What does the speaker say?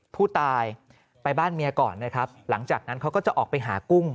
ผู้ตายไปบ้านเมียก่อนนะครับหลังจากนั้นเขาก็จะออกไปหากุ้ง